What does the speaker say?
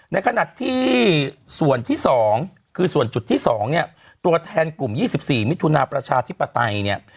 ในขณะที่ส่วนที่๒คือส่วนจุดที่๒เนี่ยตัวแทนกลุ่ม๒๔มิถุนาประชาธิปไตยเนี่ย